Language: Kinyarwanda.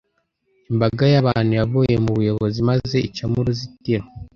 Imbaga y'abantu yavuye mu buyobozi maze icamo uruzitiro.